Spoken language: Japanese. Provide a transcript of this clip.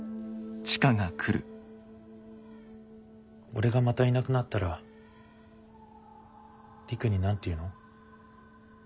俺がまたいなくなったら璃久に何て言うの？